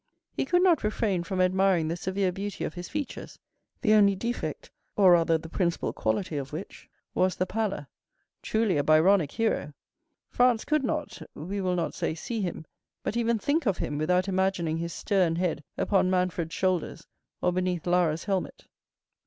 He could not refrain from admiring the severe beauty of his features, the only defect, or rather the principal quality of which was the pallor. Truly, a Byronic hero! Franz could not, we will not say see him, but even think of him without imagining his stern head upon Manfred's shoulders, or beneath Lara's helmet.